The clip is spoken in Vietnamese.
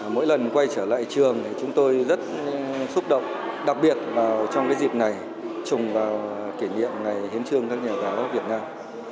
mỗi lần quay trở lại trường thì chúng tôi rất xúc động đặc biệt là trong cái dịp này trùng vào kỷ niệm ngày hiến trương các nhà giáo việt nam